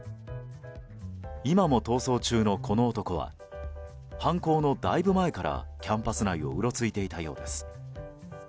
今も逃走中の、この男は犯行のだいぶ前からキャンパス内をうろついていたようです。